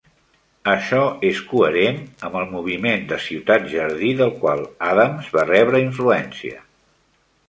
Això és coherent amb el moviment de ciutat Jardí del qual Adams va rebre influència.